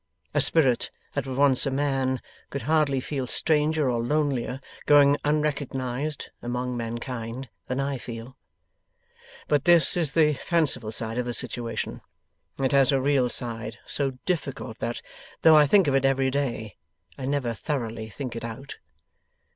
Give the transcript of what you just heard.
A spirit that was once a man could hardly feel stranger or lonelier, going unrecognized among mankind, than I feel. 'But this is the fanciful side of the situation. It has a real side, so difficult that, though I think of it every day, I never thoroughly think it out.